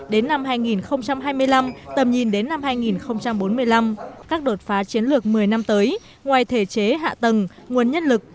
đến năm hai nghìn hai mươi năm tầm nhìn đến năm hai nghìn bốn mươi năm các đột phá chiến lược một mươi năm tới ngoài thể chế hạ tầng nguồn nhân lực